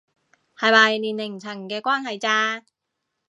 係咪年齡層嘅關係咋